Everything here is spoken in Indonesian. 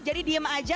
jadi diem aja